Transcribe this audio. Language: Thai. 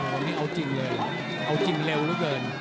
อ๋ออันนี้เอาจริงเลยเอาจริงเร็วเหลือเกิน